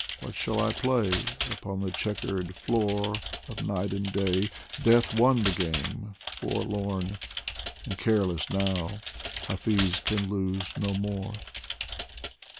What shall I play ? Upon the chequered floor Of Night and Day, Death won the game forlorn And careless now, Hafiz can lose no more.